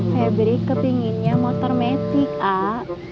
hebe kepinginnya motor metik ah